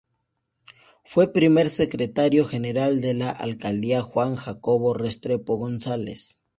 Fue primer secretario general de la alcaldía Juan Jacobo Restrepo González.